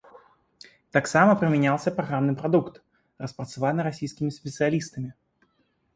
Таксама прымяняецца праграмны прадукт, распрацаваны расійскімі спецыялістамі.